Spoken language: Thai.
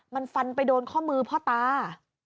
มันฟันไปโดนข้อมือพ่อตา